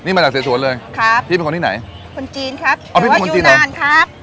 นี่หมายถึงเสชวนเลยครับพี่เป็นคนที่ไหนคนจีนครับอ๋อพี่เป็นคนจีนเหรอแต่ว่าอยู่นานครับ